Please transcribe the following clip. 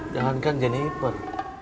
jangan kan jennifer